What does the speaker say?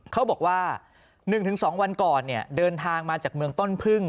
เขาบอกว่า๑๒วันก่อนเดินทางมาจากเมืองต้นพึ่ง